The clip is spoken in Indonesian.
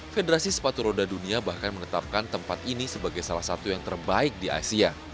federasi sepatu roda dunia bahkan menetapkan tempat ini sebagai salah satu yang terbaik di asia